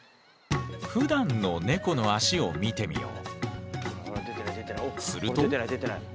ふだんのネコの足を見てみよう。